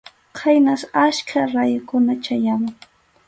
Khaynas achka rayukuna chayamun.